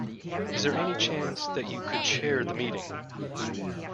Is there any chance that you could chair the meeting?